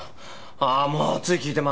ああもうつい聞いてま